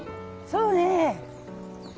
そうね。